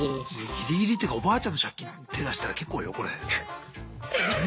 ギリギリっていうかおばあちゃんの借金手出したら結構よこれ。ね？